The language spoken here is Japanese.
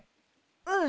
うん。